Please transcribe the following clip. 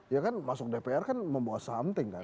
ya kan masuk dpr kan membawa something kan